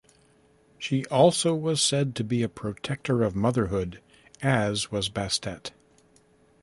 She also was said to be a protector of motherhood, as was Bastet.